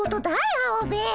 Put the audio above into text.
アオベエ。